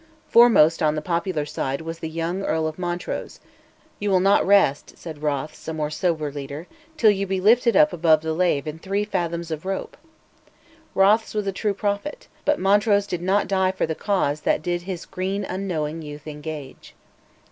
Foremost on the popular side was the young Earl of Montrose: "you will not rest," said Rothes, a more sober leader, "till you be lifted up above the lave in three fathoms of rope." Rothes was a true prophet; but Montrose did not die for the cause that did "his green unknowing youth engage."